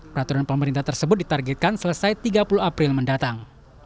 peraturan pemerintah tersebut ditargetkan selesai tiga puluh april mendatang